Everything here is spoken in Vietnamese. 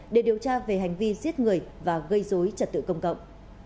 để điều tra về hành vi giết người và gây dối trật tự công cộng